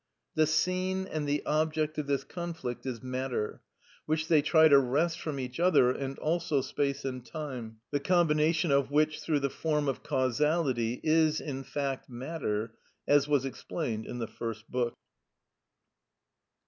The scene and the object of this conflict is matter, which they try to wrest from each other, and also space and time, the combination of which through the form of causality is, in fact, matter, as was explained in the First Book.